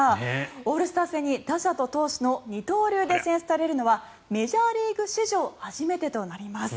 オールスター戦で打者と投手の二刀流で選出されるのはメジャーリーグ史上初めてとなります。